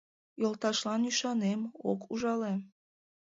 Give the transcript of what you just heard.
Йолташлан ÿшанем – ок ужале.